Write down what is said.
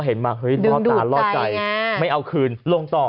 เห็นมาพอตาลอดใจไม่เอาคืนลงต่อ